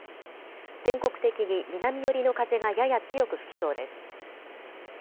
全国的に南寄りの風がやや強く吹きそうです。